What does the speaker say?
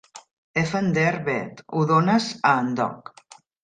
Effen der Veed, ho dones a en Doc.